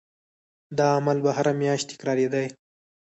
دا عمل به هره میاشت تکرارېدی.